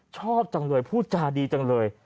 ชอบจังเลยพูดจาดีจังเลย